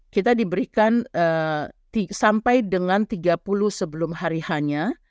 kita diberikan sampai dengan tiga puluh sebelum hari hanya